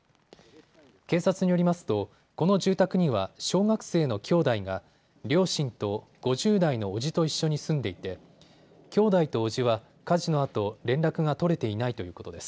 警察によりますとこの住宅には小学生の兄弟が両親と５０代の伯父と一緒に住んでいて兄弟と伯父は火事のあと連絡が取れていないということです。